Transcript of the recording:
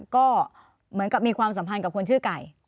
ก็เหมือนกับมีความสัมพันธ์กับคนชื่อไก่